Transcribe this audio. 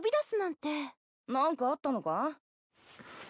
何かあったのか？